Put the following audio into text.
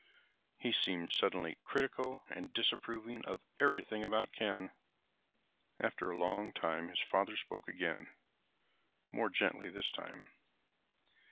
He seemed suddenly critical and disapproving of everything about Ken. After a long time his father spoke again, more gently this time.